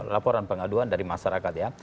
laporan pengaduan dari masyarakat ya